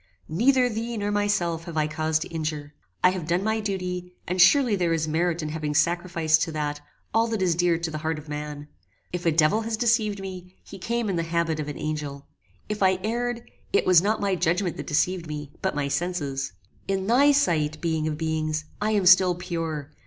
"Neither thee nor myself have I cause to injure. I have done my duty, and surely there is merit in having sacrificed to that, all that is dear to the heart of man. If a devil has deceived me, he came in the habit of an angel. If I erred, it was not my judgment that deceived me, but my senses. In thy sight, being of beings! I am still pure.